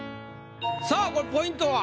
さあこれポイントは？